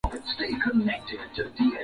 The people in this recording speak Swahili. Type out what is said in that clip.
wa Ugiriki ya Kale kuna majengo tu